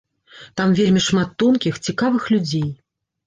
Там вельмі шмат тонкіх, цікавых людзей.